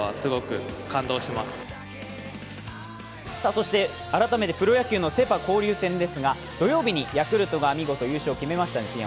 そして改めてプロ野球のセ・パ交流戦ですが土曜日にヤクルトが見事優勝を決めましたね。